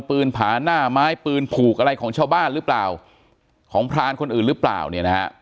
ผาหน้าไม้ปืนผูกอะไรของชาวบ้านหรือเปล่าของพรานคนอื่นหรือเปล่าเนี่ยนะฮะ